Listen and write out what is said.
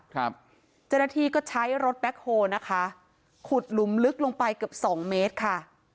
เจ้าหน้าที่ก็ใช้รถแบ็คโฮลนะคะขุดหลุมลึกลงไปเกือบสองเมตรค่ะ